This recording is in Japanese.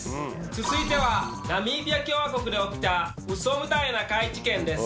続いては、ナミビア共和国で起きたウソみたいな怪事件です。